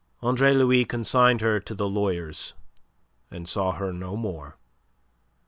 Andre Louis consigned her to the lawyers, and saw her no more.